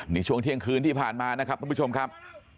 นี่ช่วงเที่ยงคืนที่ผ่านมานะครับท่านผู้ชมครับ